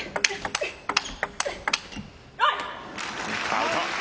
アウト。